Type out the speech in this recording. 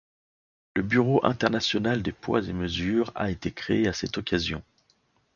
Le Bureau international des poids et mesures a été créé à cette occasion.